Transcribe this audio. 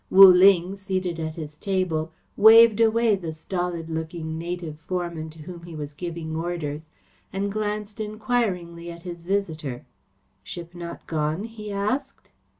Wu Ling, seated at his table, waved away the stolid looking native foreman to whom he was giving orders, and glanced enquiringly at his visitor. "Ship not gone?" he asked.